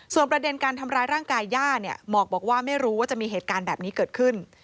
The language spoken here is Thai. ประเด็นการทำร้ายร่างกายย่าเนี่ยหมอกบอกว่าไม่รู้ว่าจะมีเหตุการณ์แบบนี้เกิดขึ้น